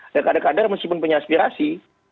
dan kader kader meskipun penyaspirasi